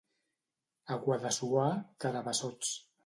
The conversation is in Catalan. A Guadassuar, carabassots.